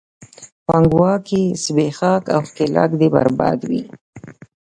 پانګواکي، زبېښاک او ښکېلاک دې برباد وي!